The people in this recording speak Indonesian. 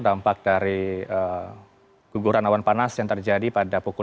dampak dari guguran awan panas yang terjadi pada pukul